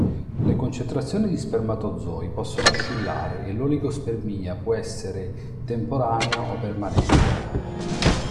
Le concentrazioni di spermatozoi possono oscillare e l'oligospermia può essere temporanea o permanente.